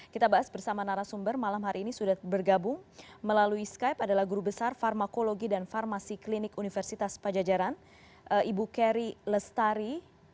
kita bahas bersama narasumber malam hari ini sudah bergabung melalui skype adalah guru besar farmakologi dan farmasi klinik universitas pajajaran ibu keri lestari